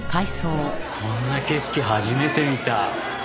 こんな景色初めて見た。